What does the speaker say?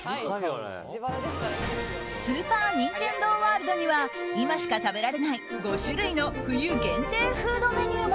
スーパー・ニンテンドー・ワールドには今しか食べられない５種類の冬限定フードメニューも。